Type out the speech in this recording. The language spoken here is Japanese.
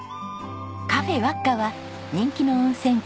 カフェわっかは人気の温泉地